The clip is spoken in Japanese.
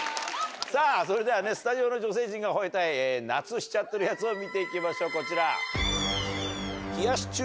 さぁそれではスタジオの女性陣が吠えたい夏しちゃってるヤツを見て行きましょうこちら。